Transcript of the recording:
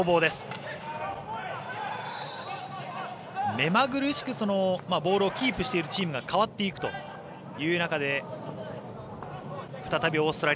目まぐるしくボールをキープしているチームが変わっていくという中。